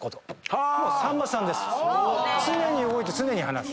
常に動いて常に話す。